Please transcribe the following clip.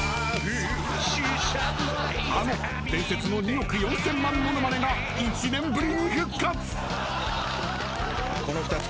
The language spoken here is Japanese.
あの伝説の２億４千万ものまねが１年ぶりに復活。